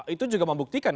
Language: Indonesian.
itu juga membuktikan